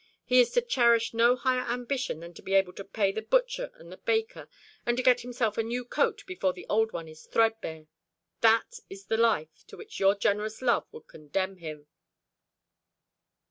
He is to cherish no higher ambition than to be able to pay the butcher and the baker, and to get himself a new coat before the old one is threadbare. That is the life to which your generous love would condemn him."